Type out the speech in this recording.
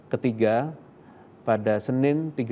ketiga pada senin tiga puluh satu mei dua ribu dua puluh satu